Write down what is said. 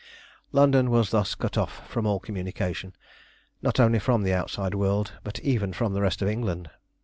London was thus cut off from all communication, not only with the outside world, but even from the rest of England.